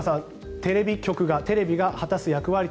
テレビ局、テレビが果たす役割